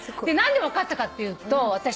何で分かったかっていうと私